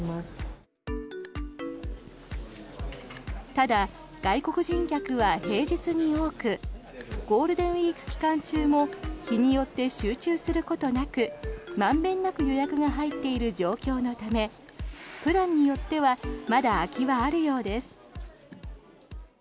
ただ、外国人客は平日に多くゴールデンウィーク期間中も日によって集中することなく満遍なく予約が入っている状況のためプランによってはまだ空きはあるようです。